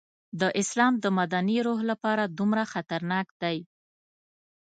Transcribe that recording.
د اسلام د مدني روح لپاره دومره خطرناک دی.